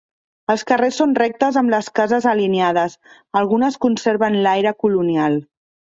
Els carrers són rectes amb les cases alienades, algunes conserven l'aire colonial.